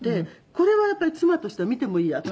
これはやっぱり妻として見てもいいやと。